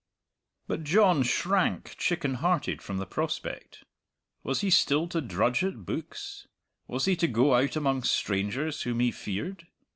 But John shrank, chicken hearted, from the prospect. Was he still to drudge at books? Was he to go out among strangers whom he feared?